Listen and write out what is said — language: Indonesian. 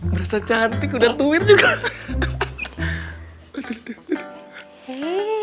berasa cantik udah twit juga